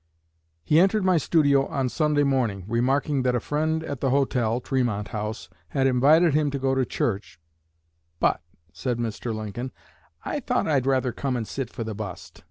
"He entered my studio on Sunday morning, remarking that a friend at the hotel (Tremont House) had invited him to go to church, 'but,' said Mr. Lincoln, 'I thought I'd rather come and sit for the bust.